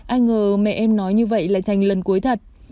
ai ngờ mẹ em nói như vậy lại thành lần cuối thật